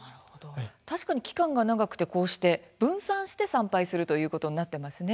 確かに期間が長くてこうして分散して参拝するということになっていますね。